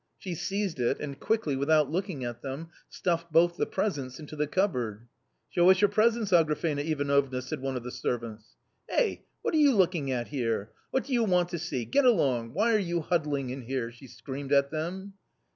She seized it, and quickly, without looking at them, stuffed both the presents in the cupboard. " Show us your presents, Agrafena Ivanovna," said one of the servants. " Eh, what are you looking at here ? What do you want to see ? Get along ! Why are you huddling in here ?" she screamed at them.